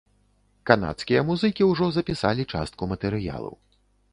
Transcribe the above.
Канадскія музыкі ўжо запісалі частку матэрыялу.